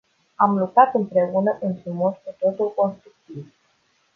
Am lucrat împreună într-un mod cu totul constructiv.